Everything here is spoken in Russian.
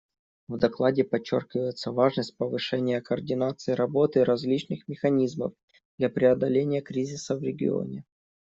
В докладе подчеркивается важность повышения координации работы различных механизмов для преодоления кризиса в регионе.